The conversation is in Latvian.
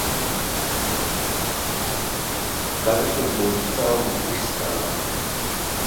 Tagad tur būs celmu izstāde.